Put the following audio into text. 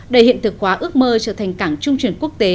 để hiện thực hóa ước mơ trở thành cảng trung truyền quốc tế